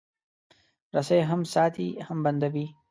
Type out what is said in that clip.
رسۍ هم ساتي، هم بندوي.